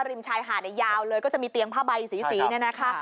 ริมชายหาดยาวเลยก็จะมีเตียงผ้าใบสีเนี่ยนะคะ